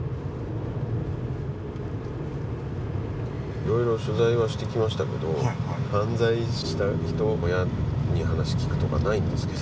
いろいろ取材はしてきましたけど犯罪した人の親に話聞くとかないんですけど。